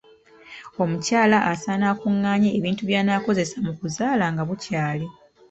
Omukyala asaana akungaanye ebintu by'anaakozesa mu kuzaala nga bukyali.